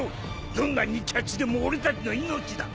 どんなにちゃちでも俺たちの命だ。